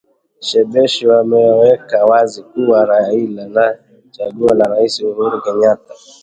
Shebesh wameweka wazi kuwa raila ni chaguo la rais Uhuru Kenyatta